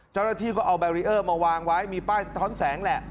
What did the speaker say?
เจ้าหน้าที่ก็เอาแบรีเออร์มาวางไว้มีป้ายสะท้อนแสงแหละ